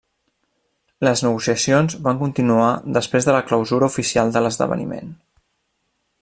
Les negociacions van continuar després de la clausura oficial de l'esdeveniment.